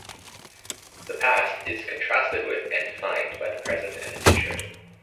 The past is contrasted with and defined by the present and the future.